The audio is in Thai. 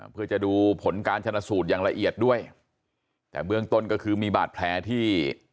เพื่อจะดูผลการชนะสูตรอย่างละเอียดด้วยแต่เบื้องต้นก็คือมีบาดแผลที่